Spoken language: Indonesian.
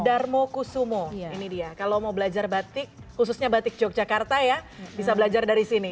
darmo kusumo ini dia kalau mau belajar batik khususnya batik yogyakarta ya bisa belajar dari sini